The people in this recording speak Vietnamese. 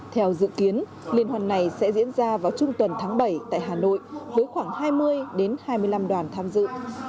theo dự kiến liên hoàn này sẽ diễn ra vào trung tuần tháng bảy tại hà nội với khoảng hai mươi hai mươi năm đoàn tham dự